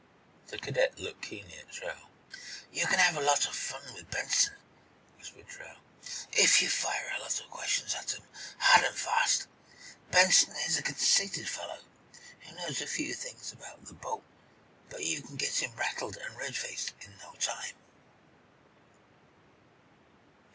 The cadet looked keenly at Truax. "You can have a lot of fun with Benson," whispered Truax, "if you fire a lot of questions at him, hard and fast. Benson is a conceited fellow, who knows a few things about the boat, but you can get him rattled and red faced in no time."